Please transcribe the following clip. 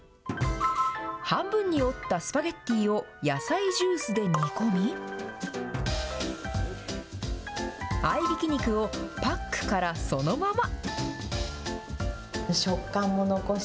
半分に折ったスパゲッティを野菜ジュースで煮込み、合いびき肉をパックからそのまま。